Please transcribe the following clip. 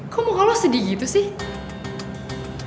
kok muka lo sedih gitu sih